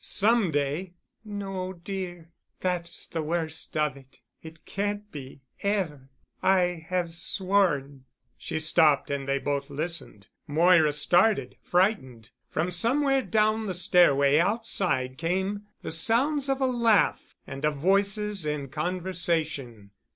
Some day——" "No, dear. That's the worst of it. It can't be, ever. I have sworn——" She stopped and they both listened, Moira started—frightened. From somewhere down the stairway outside came the sounds of a laugh and of voices in conversation.